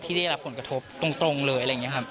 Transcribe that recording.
ได้รับผลกระทบตรงเลยอะไรอย่างนี้ครับ